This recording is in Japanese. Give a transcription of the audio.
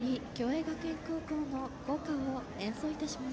これより共栄学園高校の校歌を演奏いたします。